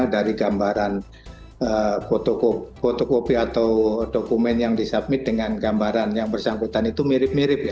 dari gambaran fotokopi atau dokumen yang disubmit dengan gambaran yang bersangkutan itu mirip mirip ya